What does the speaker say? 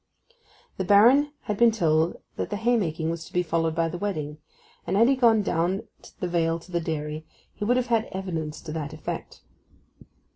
The Baron had been told that the haymaking was to be followed by the wedding, and had he gone down the vale to the dairy he would have had evidence to that effect.